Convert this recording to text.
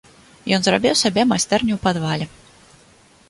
Ён зрабіў сабе майстэрню ў падвале.